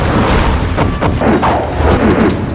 kau lepas berhenti